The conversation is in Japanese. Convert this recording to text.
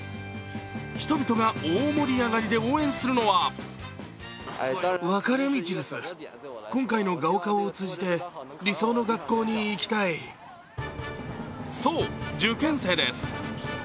人々が大盛り上がりで応援するのはそう、受験生です。